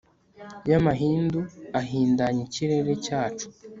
ya mahindu ahindanya ikirere cyacu